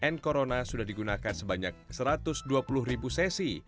n corona sudah digunakan sebanyak satu ratus dua puluh ribu sesi